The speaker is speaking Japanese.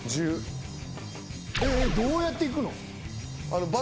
どうやっていくの？